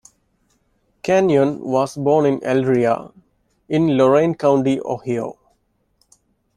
Kenyon was born in Elyria, in Lorain County, Ohio.